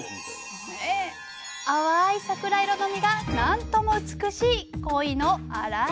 淡い桜色の身が何とも美しいコイの洗い！